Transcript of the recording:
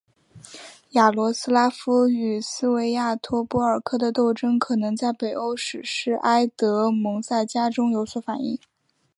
雅罗斯拉夫与斯维亚托波尔克的斗争可能在北欧史诗埃德蒙萨迦中有所反映。